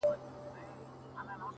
o شكر چي ښكلا يې خوښــه ســوېده،